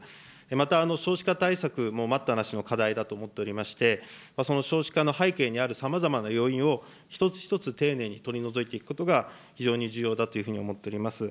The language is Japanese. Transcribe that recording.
また少子化対策も待ったなしの課題だと思っておりまして、その少子化の背景にある、さまざまな要因を一つ一つ丁寧に取り除いていくことが、非常に重要だというふうに思っております。